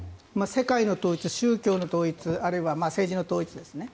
世界の統一、宗教の統一あるいは政治の統一ですね。